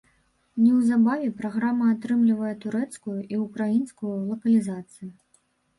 Неўзабаве праграма атрымлівае турэцкую і ўкраінскую лакалізацыі.